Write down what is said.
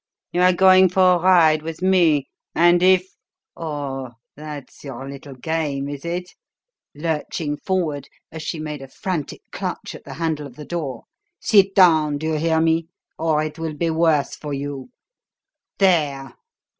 You are going for a ride with me; and if Oh, that's your little game, is it?" lurching forward as she made a frantic clutch at the handle of the door. "Sit down, do you hear me? or it will be worse for you! There!"